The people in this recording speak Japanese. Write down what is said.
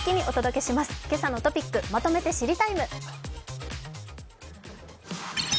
「けさのトピックまとめて知りＴＩＭＥ，」